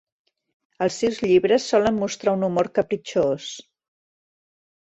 Els seus llibres solen mostrar un humor capritxós.